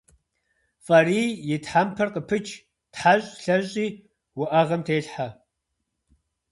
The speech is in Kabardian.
ФӀарий и тхьэмпэр къыпыч, тхьэщӀ, лъэщӀи уӀэгъэм телъхьэ.